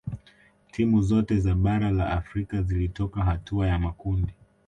timu zote za bara la afrika zilitoka hatua ya makundi